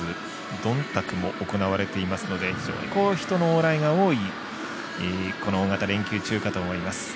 どんたくも行われていますので非常に人の往来が多い大型連休中かと思います。